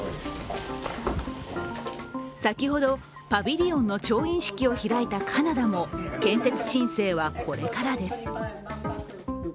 先ほど、パビリオンの調印式を開いたカナダも建設申請はこれからです。